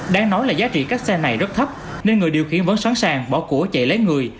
đáng nói là giá trị các xe này rất thấp nên người điều khiển vẫn sẵn sàng bỏ của chạy lấy người